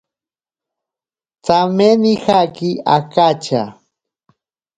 Tsame nijaki akatya.